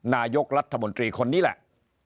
นายกรัฐมนตรีคนนี้แหละ